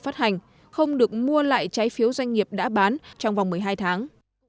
phát hành không được mua lại trái phiếu doanh nghiệp đã bán trong vòng một mươi hai tháng